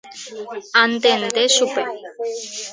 Antende chupe.